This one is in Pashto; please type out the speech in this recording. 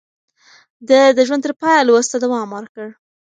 ده د ژوند تر پايه لوست ته دوام ورکړ.